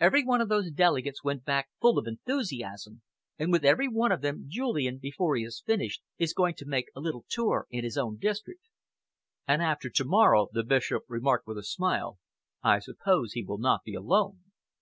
Every one of those delegates went back full of enthusiasm, and with every one of them, Julian, before he has finished, is going to make a little tour in his own district." "And after to morrow," the Bishop remarked with a smile, "I suppose he will not be alone."